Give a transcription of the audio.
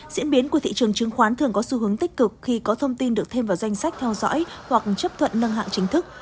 diễn biến của thị trường chứng khoán thường có xu hướng tích cực khi có thông tin được thêm vào danh sách theo dõi hoặc chấp thuận nâng hạng chính thức